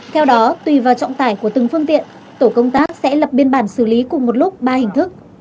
theo đó tùy vào trọng tải của từng phương tiện tổ công tác sẽ lập biên bản xử lý cùng một lúc ba hình thức